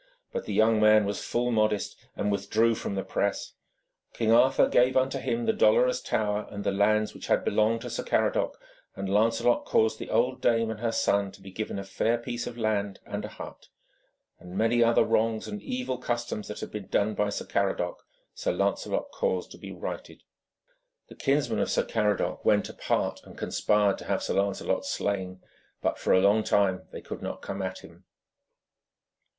But the young man was full modest, and withdrew from the press. King Arthur gave unto him the Dolorous Tower and the lands which had belonged to Sir Caradoc, and Lancelot caused the old dame and her son to be given a fair piece of land and a hut, and many other wrongs and evil customs that had been done by Sir Caradoc, Sir Lancelot caused to be righted. The kinsmen of Sir Caradoc went apart and conspired to have Sir Lancelot slain, but for a long time they could not come at him.